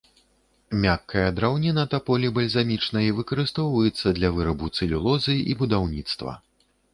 Мяккая драўніна таполі бальзамічнай выкарыстоўваецца для вырабу цэлюлозы і будаўніцтва.